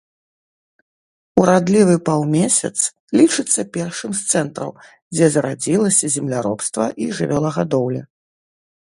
Урадлівы паўмесяц лічыцца першым з цэнтраў, дзе зарадзілася земляробства і жывёлагадоўля.